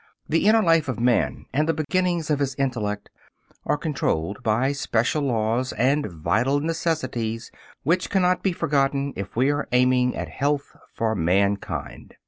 The inner life of man and the beginnings of his intellect are controlled by special laws and vital necessities which cannot be forgotten if we are aiming at health for mankind.